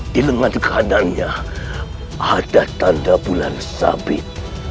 di lengan kanannya ada tanda bulan sabit